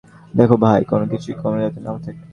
দেখো ভাই, কোনো কিছুর কম যাতে না থাকে।